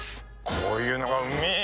こういうのがうめぇ